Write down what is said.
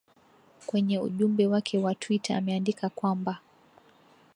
kwenye ujumbe wake wa twitter ameandika kwamba